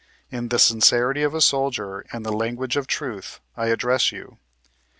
In the sincerity of a soldier and the language of truth I address you.